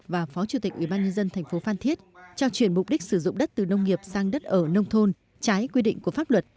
và phó chủ tịch ủy ban nhân dân tp phan thiết cho chuyển mục đích sử dụng đất từ nông nghiệp sang đất ở nông thôn trái quy định của pháp luật